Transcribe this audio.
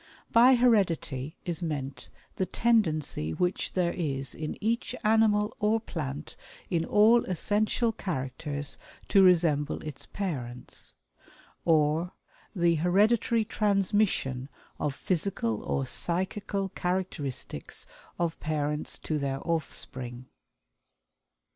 By "heredity" is meant "the tendency which there is in each animal or plant, in all essential characters, to resemble its parents"; or "the hereditary transmission of physical or psychical characteristics of parents to their offspring."